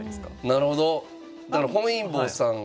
なるほど。